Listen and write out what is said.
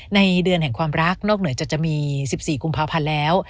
ในเดือนแห่งความรักนอกเหนือจากจะมี๑๔กุมภาพันธ์แล้ว